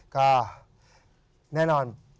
ก็แน่นอน